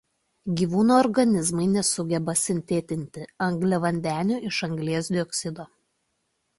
Gyvūnų organizmai nesugeba sintetinti angliavandenių iš anglies dioksido.